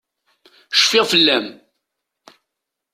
Cfiɣ fell-am.